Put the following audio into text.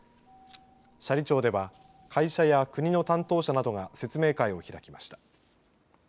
斜里町では会社や国の担当者などが説明会を開きました。